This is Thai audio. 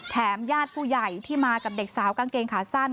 ญาติผู้ใหญ่ที่มากับเด็กสาวกางเกงขาสั้น